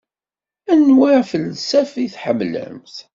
Anwa afelsaf i tḥemmlemt?